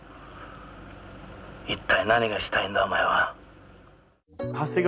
一体何がしたいんだお前は。